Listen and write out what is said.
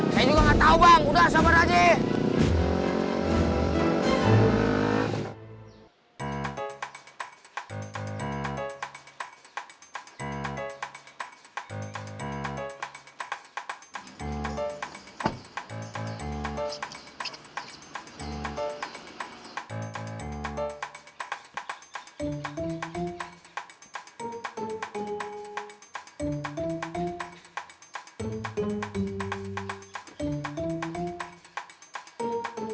saya juga gak tau bang udah sabar aja